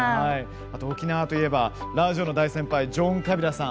沖縄といえばラジオで大先輩のジョン・カビラさん